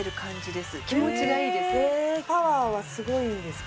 パワーはすごいんですか？